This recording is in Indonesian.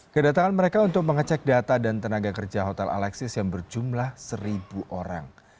kedatangan mereka untuk mengecek data dan tenaga kerja hotel alexis yang berjumlah seribu orang